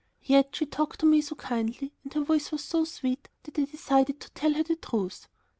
Yet she talked to me so kindly and her voice was so sweet, that I decided to tell her the truth.